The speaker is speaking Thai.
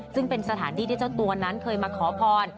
ซึ่งเป็นสถานที่ที่เจ้าตัวนั้นเคยมาขอพร